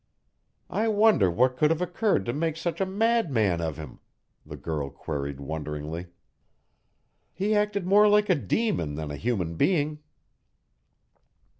"I wonder what could have occurred to make such a madman of him?" the girl queried wonderingly. "He acted more like a demon than a human being."